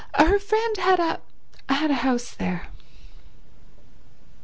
— her friend had a— had a house there.